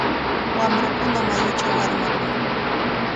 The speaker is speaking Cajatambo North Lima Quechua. Wamrakuna mayuchaw armakun.